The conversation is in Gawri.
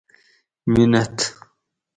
مینت